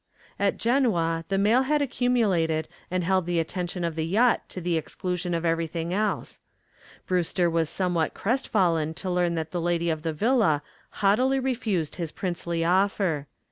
At Genoa the mail had accumulated and held the attention of the yacht to the exclusion of everything else. Brewster was somewhat crestfallen to learn that the lady of the villa haughtily refused his princely offer.